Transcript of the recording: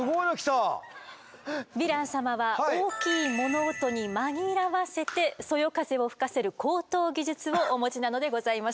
ヴィラン様は大きい物音に紛らわせてそよ風を吹かせる高等技術をお持ちなのでございます。